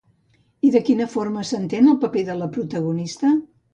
I de quina forma s'entén el paper de la protagonista?